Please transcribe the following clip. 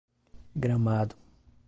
Gramado